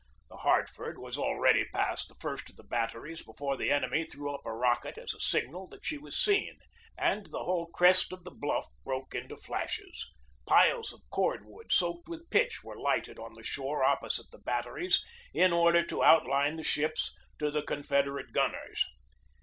The Hartford was already past the first of the batteries before the enemy threw up a rocket as a signal that she was seen, and the whole crest of the bluff broke into flashes. Piles of cord wood soaked with pitch were lighted on the shore opposite the batteries in order to outline the ships to the Confederate gunners.